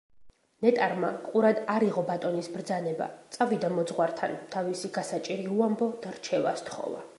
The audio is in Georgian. ნეტარმა ყურად არ იღო ბატონის ბრძანება, წავიდა მოძღვართან, თავისი გასაჭირი უამბო და რჩევა სთხოვა.